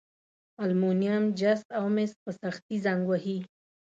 المونیم، جست او مس په سختي زنګ وهي.